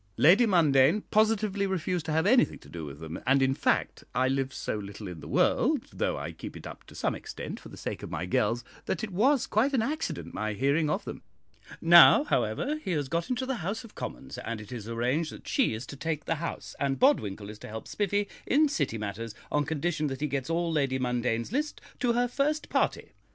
Lady Mundane positively refused to have anything to do with them, and, in fact, I live so little in the world, though I keep it up to some extent for the sake of my girls, that it was quite an accident my hearing of them. Now, however, he has got into the House of Commons, and it is arranged that she is to take the house, and Bodwinkle is to help Spiffy in City matters, on condition that he gets all Lady Mundane's list to her first party.